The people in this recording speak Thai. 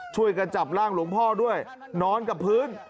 ช่วยกันจับร่างหลวงพ่อด้วยนอนกับพื้น